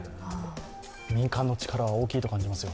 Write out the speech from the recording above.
民間の力は大きいと感じます。